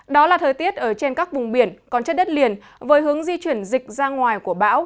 đó là thời tiết ở trên các vùng biển còn chất đất liền với hướng di chuyển dịch ra ngoài của bão